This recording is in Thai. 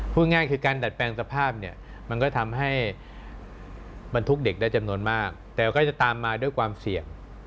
พูดง่ายคือการดัดแปลงสภาพเนี่ยมันก็ทำให้บรรทุกเด็กได้จำนวนมากแต่ก็จะตามมาด้วยความเสี่ยง